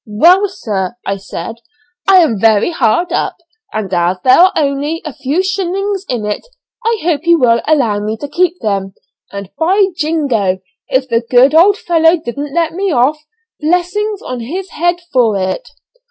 'Well, sir,' I said, 'I'm very hard up, and as there are only a few shillings in it I hope you will allow me to keep them,' and, by jingo! if the good old fellow didn't let me off, blessings on his head for it.